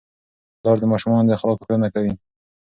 پلار د ماشومانو د اخلاقو ښودنه کوي.